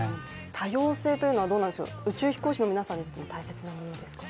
多様性というのは、宇宙飛行士の皆さんにとっても大切なものですか？